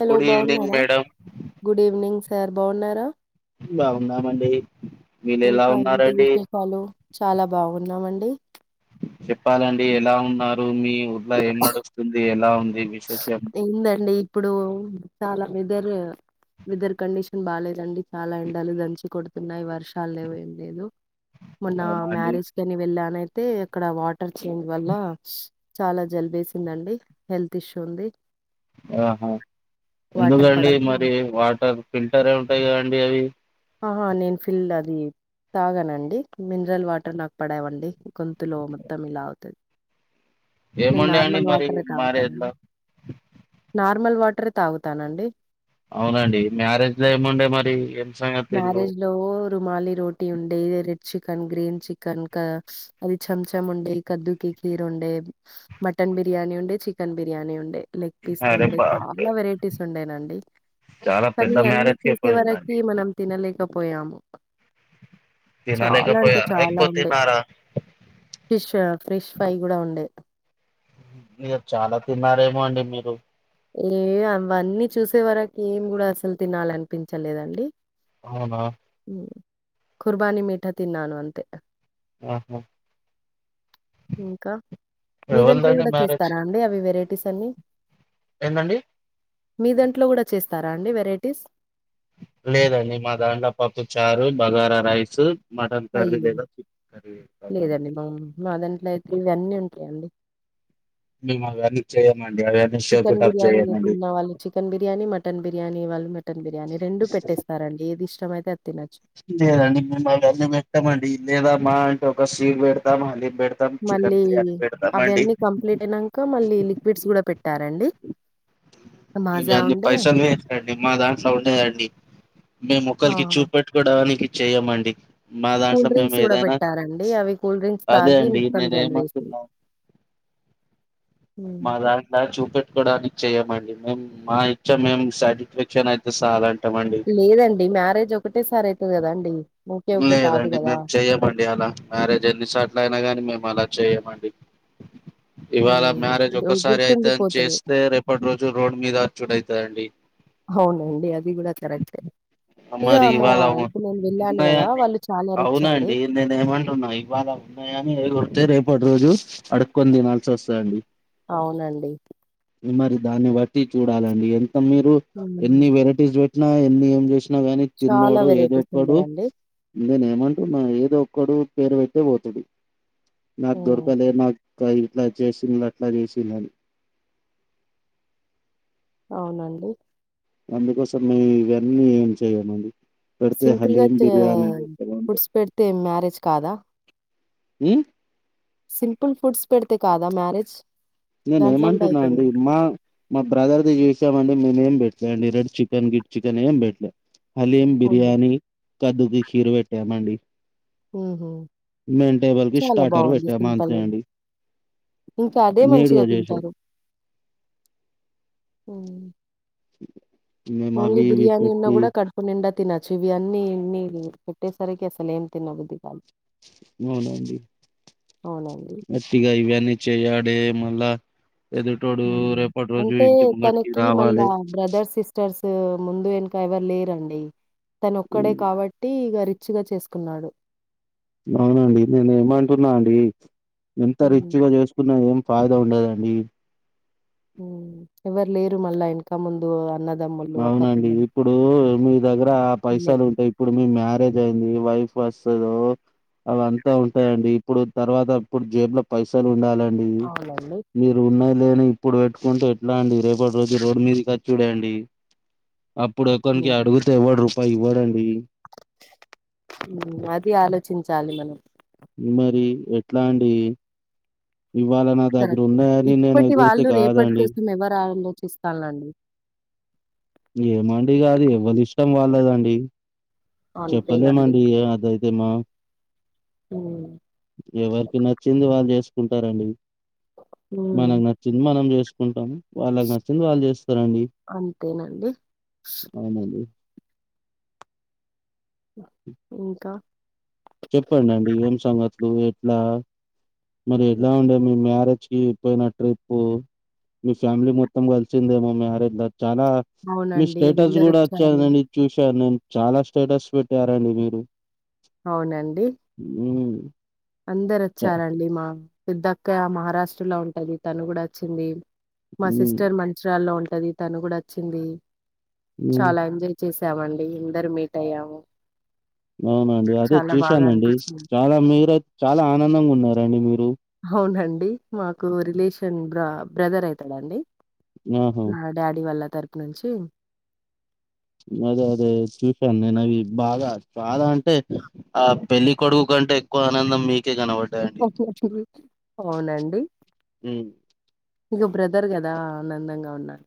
Hello good evening బాగున్నారా madam good evening sir బాగున్నారా బాగున్నానండి మీరు ఎలా ఉన్నరండి పలు చాలా బాగున్నామండి చెప్పాలండి ఎలా ఉన్నారు మీ ఊర్ళ ఏం నడుస్తుంది ఎలా ఉంది విశేషం ఏందండి ఇప్పుడు చాలా వెదర్ వెదర్ కండిషన్ బాలేదండి చాలా ఎండాలు దంచి కొడుతున్నాయి వర్షాలు లేవు ఏం లేదు మొన్న అవునా అండి మ్యరేజ్ కని వెళ్ళాను అయితే అక్కడ వాటర్ చేంజ్ వల్ల చాలా జలుబేసిందండి తీష్ ఉంది ఆహా వాటర్ ఎందుకండి పడక మరి వాటర్ ఫిల్టరె ఉంటది కదండి అవి అహా నేను ఫిల్డ్ అది తాగనండి మినరల్ వాటర్ నాకు పడేవండి గొంతులో మొత్తం లాగుతది నేను ఏముండే అండి నార్మల్ మరి వాటరే మ్యారేజ్ తాగుతానండి లో నార్మల్ వాటరే తాగుతానండి అవునండి మ్యారేజ్లో ఏమండే మరి సంగతిలు మ్యారేజ్ లో రుమాలి రోటీ ఉండే రెడ్ చికెన్ గ్రీన్ చికెన్ అది చెంచం ఉండే కద్దూకి ఖీర్ ఉండే మటన్ బిర్యానీ ఉండే చికెన్ బిర్యానీ ఉండే లెగ్ పీస్లు అరే ఉండేవి బాప్రే చాలా వెరైటీస్ ఉండేనండి చాలా కనీ పెద్ద అన్ని మ్యారేజ్ కే తీసే వరకి పోయిందండి మనం తినలేకపోయాము చాలా అంటే తినలేకపోయా చాలా ఎక్కువ ఉండే తిన్నారా ఫిష్ ఫ్రెష్ ఫ్రై కూడా ఉండే మీరు చాలా తిన్నారేమో అండి మీరు లేదు అవన్నీ చూసే వరకి ఏం కూడా అసలు తినాలనిపించలేదండి అవునా కుర్బాని మీఠ తిన్నాను అంతే ఆహ ఇంకా మీదంట్లో ఎవల్దండి కూడా మ్యారేజ్ చేస్తారా అండి అవి వెరైటీస్ అన్ని ఏందండి మీ దంట్లో కూడా చేస్తారా అండి వెరైటీస్ లేదండి మా దాంట్ల పప్పుచారు బగారారైసు మటన్ కర్రీ లేద చిక కర్రీ ఏమౌ మా దంట్లో అయితే ఇవన్నీ ఉంటయండి మేము అవన్నీ చేయమండి అవన్నీ చికెన్ షోకుటప్ బిర్యానీని చేయమండి తిన్న వాళ్ళు చికన్ బిర్యానీ మటన్ బిర్యానీ వాళ్ళు మటన్ బిర్యానీ రెండు పెట్ట పెట్టేస్తారండి ఎది ఇష్టమయితే అది తినోచ్చు లేదండి మేము మా గన్ని పెట్టామండి లేదామా అంట ఒక సీట్ పెడతామా హలీం పెడతాం చికెన్ బిర్యానీ పెడతామండి నంక మళ్ళీ లిక్విడ్స్ కూడా పెట్టారండి మాజా గన్ని ఉండే పైసాలే అండి మా దాంట్లో ఉండదండి మేము ఆ! ఓక్కలకి చూపెట్టుకోవడానికి చెయ్యమండి మా కూల్ దాంట్లో మేము డ్రింక్స్ కూడా ఏదైనా పెట్టారండి. అవి కూల్ డ్రింక్స్ అదే తాగి అండి మొత్తం నేను జలివేసింది. ఏమంటున్నా హ్మ్. మాద ఇలా చూపెట్టుకోవడానికి చెయ్యమండి మేము మా ఇచ్చ మేం సాటిస్ఫాక్షన్ అయితే చాలండి లేదండి మ్యారేజ్ ఒకటేసారి అయితది కదాండి ఓకే ఓకే కాదు కదా చేయమండి అలా మ్యారేజ్ ఎన్ని సోట్లయిన గాని మేము అలా చేయమండి ఇవాళ హ్మ్. మ్యారేజ్ గు ఒకసారి అయితే అని గుర్తుండిపోతది. చేస్తే రేపటి నుంచి రోజు రోడ్ మీద చూడ అయితారండి అవునండి అది కూడా కరెక్టే ఇగ మరి మా ఇవాళ ఇప్పుడు నేను వెళ్ళాను కదా వాళ్ళు చాలా రిచ్ అండి నేనే ఏమంటున్నా ఇవాళ ఉన్నాయని ఎగిరితే రేపటి రోజు అడుక్కొని తినాల్సి వస్తాయండి అవునండి మరి దాన్ని బట్టి చూడాలండి ఎంత మీరు హ్మ్. ఎన్ని వెరైటీస్ పెట్టినా ఎన్ని ఏం చేసిన ఉన్న గాని చాలా తిన్నోడు వెరైటీస్ ఏదోక్కడు ఉండేయండి. నేను ఏమంటున్నా ఏదో ఒక్కడు పేరు పెట్టే పోతాడు నాకు హ్మ్. దొరకలే నాకు తా ఇట్లా చేసిండు అట్లా చేసిండనీ అవునండి అందుకోసమే ఇవన్నీ ఏం చేయమండి పెడితే హలీం బిర్యానీ పెట్టాళ్ళాంటే తే మ్యారేజ్ కాదా మ్మ్ సింపుల్ ఫుడ్స్ పెడితే కాదా మ్యారేజ్ నేనే దాంట్లో గూడా ఏమంటున్నా అయితది. అండి మా మా బ్రదర్ ది చేసామండి మేమేం పెట్టలే అండి రెడ్ చికెన్ గిడ్ చికెన్ ఏం పెట్టలే హలీం ఓన్లీ బిర్యానీ కర్డు కీరు పెట్టామండి హుహు. మెటేబల్కి చాలా స్టార్టర్ బావుంది బెట్టాము అంతే సింపుల్‌గా. అండి ఇంకా అదే మంచిగా నీట్గా చేసాం తింటారు మ్మ్ మేము ఓన్లీ అవి ఇవి బిర్యానీ ఉన్న పెట్టి కూడా కర్ కడుపునిండా తినచ్చు ఇవి అన్నీ ఇ పెట్టేసరికి అసలు ఏం తినబుద్దికాదు అవునండి అవునండి. ఆ ఇగ ఇవన్నీ చేయడే మళ్ళా ఎదు తోడు హ్మ్. రేపటి రోజు అంటే ఇంటి ముంగడికి తనకి మళ్ళా రావాలే బ్రదర్స్ సిస్టర్స్ ముందు వెనక ఎవరు లేరండి తను ఒక్కడే కాబట్టి ట్టి బా రిచ్గా చేసుకున్నాడు అవునండి నేనే ఏమంటున్నా అండి ఎంత హ్మ్. రిచ్గా చేసుకు న్నాగాని చాయిదా ఉండదండి మ్మ్ ఎవ్వరు లేరు మళ్ళా ఎనక ముందు అన్న అవునండి ఇప్పుడు మీ దగ్గర తినే. పైసలు ఉంటాయి ఇప్పుడు మీ మ్యారేజ్ అయింది వైఫ్ వస్తాదో అవి అంతా ఉంటాయండి ఇప్పుడు తర్వాత ఇప్పుడు జేబ్ లో పైసలు ఉండాలండి అవునండి ఇప్పు ఉన్నాయి లేద ఇప్పుడు పెట్టుకుంటే ఎట్లా అండి రేపటి రోజు రోడ్ మీద వచ్చుడె అండి అప్పుడు ఒకనికి హ్మ్. అడుగుతే ఎవ్వడు రూపాయి ఇవ్వడండి మ్మ్ అది ఆలోచించాలి మనం మరి ఎట్లా అండి ఇవ్వాలనా కరెక్ట్ ఇప్పటి వాళ్ళు రేపటి కోసం ఎవరు ఆలోచిస్తాళ్లాండి ఏమండి కాదు ఎవ్వల్లిష్టం వాళ్ళదండి అంతేనండి. చెప్పలేమండి అదైతేమ్మా మ్మ్ ఎవరికి నచ్చింది వాళ్ళు చేస్ కుంటారండి హ్మ్. మనకు నచ్చింది మనం చేసుకుంటాము వాళ్ళకి నచ్చింది వాళ్ళు చేస్తారండి అంతేనండి. అవునండి ఇంకా చెప్పడండి ఏం సంగతులు ఎట్లా మరి ఎలా ఉండే మీ మ్యారేజ్ కి పోయిన ట్రిప్పు మీ ఫ్యామిలీ మొత్తం కలిసిందేమో మ్యారేజ్ చాలా మీ అవునండి. స్టేటస్ కూడా అందరొచ్చారు. వచ్చదండి చూశాను నేను చాలా స్టేటస్ పెట్టారండి మీరు అవునండి మ్ అందరు వచ్చారండి మా పెద్దక్కయ్య మహారాష్ట్రలో ఉంటది తను కూడా వచ్చింది మా మ్మ్ సిస్టర్ మంచిరాల్లో ఉంటది తను కూడా వచ్చింది మ్మ్ చాలా ఎంజాయ్ చేసామండి అందరు మీట్ అయ్యాము అవునండి అదే చాలా బాగా చూశానండి అనిపించింది చాలా మీరు చాలా ఆనందంగా ఉన్నారండి మీరు అవునండి మాకు రిలేషన్ బ బ్రదర్ అయితాదండి ఆహా డాడీ వాళ్ళ తరుపు నుంచి అదే అదే చూశాను నేను అవి బాగా బాగ అంటే ఆ పెళ్ళి కొడుగు కంటే ఎక్కువ ఆనందం మీకే కనబడ్ అవునండి ఉమ్ ఇగ బ్రదర్ కదా ఆనందంగా ఉన్నార్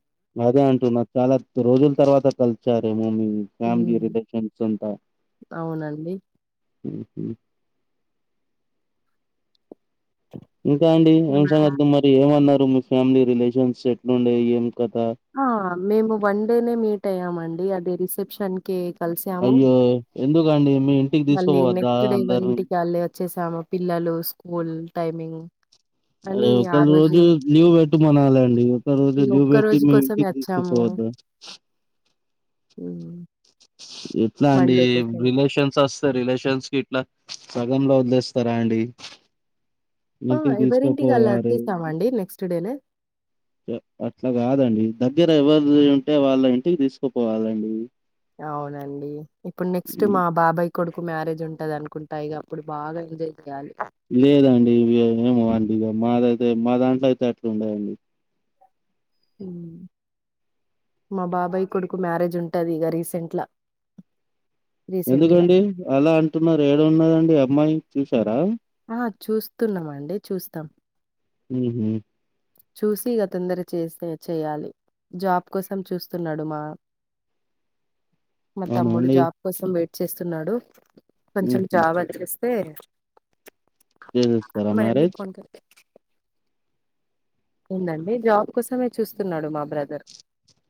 అదే అంటున్నా చాలా రోజుల తర్వాత కలిషరేమో మీ ఫ్యామిలీ హ్మ్ రిలేషన్స్ అంత అవునండి ఇంకా అండి ఏం ఇంకా సంగతి మరి ఏమన్నారు మీ ఫ్యామిలీ రిలేషన్స్ ఎట్లుండే ఏం కత ఆ మేము వన్ డేనే మీట్ అయ్యామండి అదే రిసెప్షన్ కే కలిసాము అయ్యో ఎందుకండి మీ ఇంటికి మళ్ళీ తీసుకోపోవద్దా నెక్స్ట్ డే అందరిని ఎవరింటికి వాళ్ళే వచ్చేసాము పిల్లలు స్కూల్ టైమింగ్ అని అదే ఆ ఒక రోజు లీవ్ పెట్టమనలండి ఒక రోజు ఈ లీవ్ ఒక్క పెట్టి రోజు మీ కోసమే ఇంటికి వచ్చాము. తీసుకపోవద్ద మ్ ఎట్లా అండి రిలేషన్స్ అస్ త్ రిలేషన్స్ కిట్లా సగంలో వదిలేస్తారా అండి ఆ ఇంటికి ఎవరింటికి అళ్ళు తీసుకుపోవాలి వచ్చేసమండి నెక్స్ట్ డేనే అట్లా కాదండి దగ్గర ఎవర్థి ఉంటే వాళ్ళ ఇంటికి తీసుకుపోవాలండి అవునండి ఇప్పుడు నెక్స్ట్ మా బాబాయ్ కొడుకు మ్యారేజ్ ఉంటదనుకుంటా ఇగ అప్పుడు బాగా ఎంజాయ్ చేయాలి లేదండి ఇవి ఏమో అండి ఇగ మాదైతే మా దాంట్ల అయితే అట్లుండది మ్ మా బాబాయ్ కొడుకు మ్యారేజ్ ఉంటది ఇగ రీసెంట్ లా ఎందుకండి అలా అంటున్నారు ఏడున్నదండి అమ్మాయి చూసారా ఆ హ చూస్తున్నమండి చూస్తాం మ్ హు చూసి ఇగ తొందర చేస్తె చేయాలి జాబ్ కోసం చూస్తున్నాడు మా [inaudible] మా అవునా తమ్ముడు అండి జాబ్ కోసం వెయిట్ చేస్తున్నాడు కొంచెం ఉహు జాబ్ వచ్చేస్ స్తె చేసేస్తరా మ్యారేజ్ కీ క్ ఏందండి జాబ్ కోసమే చూస్తున్నాడు మా బ్రదర్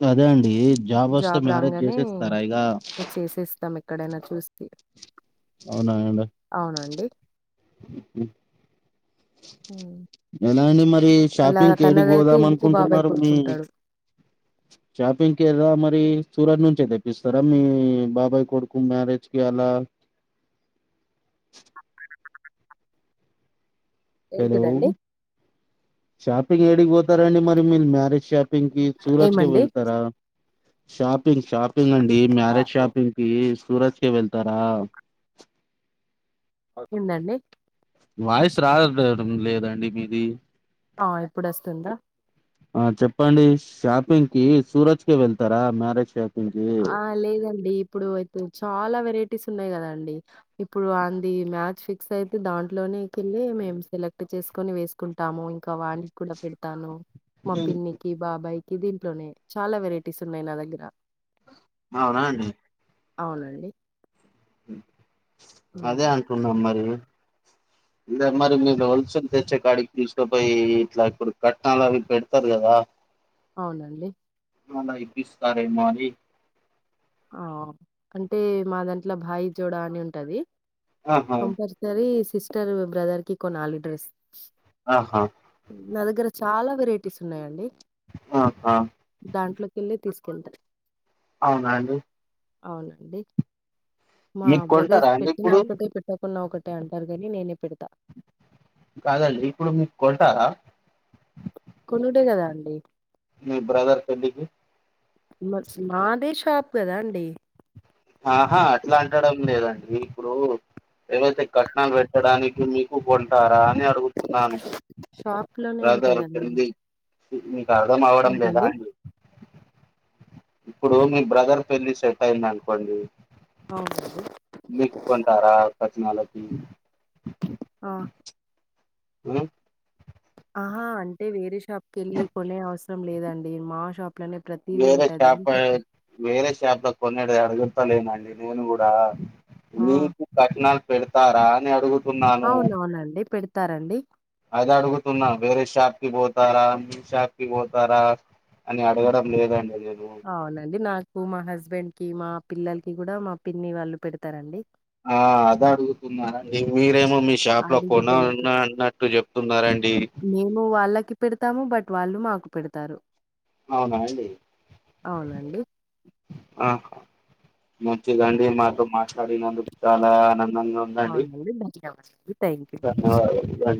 అదే అండి జాబ్ వస్తే మ్యారేజ్ చేసేస్తారా ఇగ చేసేస్తాం ఎక్కడైనా చూస్తే అవునా అండి అవునండి ఉ హు హుమ్ మీ నాయనా ఏమని అలా తనదయితే ఇంకు బాబాయ్ కూర్చుంటాడు షాపింగ్ కెలా మరి సూరత్ నుంచే తెప్పిస్తారా మీ బాబాయ్ కొడుకు మ్యారేజ్ కి అలా [unintelligible] హలో ఏంటిదండి షాపింగ్ యాడికి పోతారండి మరి మీరు మ్యారేజ్ షాప్ పిగ్ కి సూరత్ కి ఏమండి వెళ్తారా షాపింగ్ షాపింగ్ అండి మ్యారేజ్ షాపింగ్ ఏం సూరత్ కి వెళ్తారా వచ్చిందా అండి వాయిస్ రాడం లేదండి మీది ఆ ఇప్పుడు వస్తుందా ఆ చెప్పండి షాపింగ్ కి సూరత్ కి వెళ్తారా మ్యారేజ్ షాప్ ఆ లేదండి ఇప్పుడు అయితే చాలా వెరైటీస్ ఉన్నాయి కదా అండి ఇప్పుడు అంది మ్యాచ్ ఫిక్స్ అయితే దాంట్లోనేకెలీ మేము సెలెక్ట్ చేసుకొని వేస్ కుంటాము ఇంక వానికి కూడ పెడతాను మా పిన్ని కీ బాబాయ్ కి దీంట్లోనే చాలా వెరైటీస్ ఉన్నాయి నా దగ్గర అవునా అండి అవునండి అదే ఉమ్ అంటున్నా మరి లేద మరి మీరు హోల్సేల్ తెచ్చే కాడికి తీసుకపోయి ఇట్ల ఇప్పుడు కట్నాలు అవి పెడతారు కదా అవునండి అక్కడ ఇప్పిస్తారేమో అని ఆ అంటే మా దాంట్లో భాయి జోడా అని ఉంటది ఆహా కంపల్సరీ సరి సిస్టర్ బ్రదర్ కి కొనాలి డ్రెస్ ఆహా నా దగ్గర చాలా వెరైటీస్ ఉన్నాయండి ఆహా దాంట్లోకేళ్ళి తీసుకెళ్తా అవునా అండి అవునండి మా మీకు కొంటారా బ్రదర్స్ అండి పెట్టిన ఇప్పుడు ఒకటే పెట్టకున్న ఒకటే అంటారు కానీ నేనే పెడతా కాదండి ఇప్పుడు మీరు కొంటారా కొనుడే కదా అండి మీ బ్రదర్ పెళ్లికి మాదే షాపు కదా అండి ఆహా అట్లాంటడం లేదండి ఇప్పుడు ఏవైతే కట్నలు పెట్టడానికి మీకు కొంటారా అని అ డుగుతున్నాను షాప్ లోనే ఉంటాయి కదండి బాదరొక్కింది మీక అర్దం అవ్వడం లేదా ఏంటండి అండి ఇప్పుడు మీ బ్రదర్ పెళ్లి సెట్టైందన్కోండి అవ్నండి నీక్కోంటార కట్నాలకి ఆ మెడం అహా అంటే వేరే షాప్ కెళ్ళి కొనే అవసరం లేదండి మా షాప్ ప్లొనే ప్రతీదీ వేరే ఉంటాది షాప్ తుప్ వేరే షాప్ లో కొనేడ్ది అడుగుతాలేనండి నేను గూడా ఆ నీకు కట్నాాల్ పెడుతారా అనే అడుగు అవునవునండి పెడుతారండి అది అడుగుతున్న వేరే షాప్ కి బోతారా మీ షాప్ కి బోతార అని అడగడం లేదండి అదేను అవునండి నాకు మా హస్బెండ్ కి మా పిల్లల్కి గుడా మా పిన్ని వాళ్ళు పెడతారండి ఆ అదడుగుతున్నర ఇంగ్ మీరేమో మీ షాప్ లో కొనాలన్న ఆడబిడ్డలకి అన్నట్టు జెప్తున్నారండి మేము వాళ్ళకి పెడుతాము బట్ వాళ్ళు మాకు పెడుతారు అవునా అండి అవునండి ఆహ మంచి గండి మాతో మాట్లాడి నందుక్ చాలా ఆనందంగ అవునా అండి [unintelligible] ధన్యవాదాలు దండి